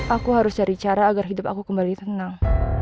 aku harus cari cara agar hidup aku kembali tenang